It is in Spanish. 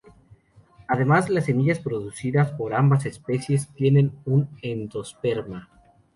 Además, las semillas producidas por ambas especies tienen un endosperma.